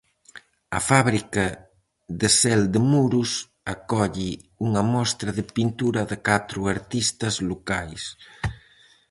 A fábrica de Sel de Muros acolle unha mostra de pintura de catro artistas locais.